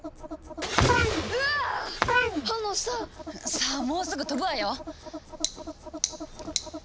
さあもうすぐ飛ぶわよ。